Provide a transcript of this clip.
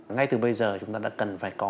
ngay từ bây giờ chúng ta đã cần phải có